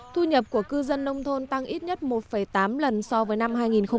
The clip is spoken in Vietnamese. thu nhập của cư dân nông thôn tăng ít nhất một tám lần so với năm hai nghìn một mươi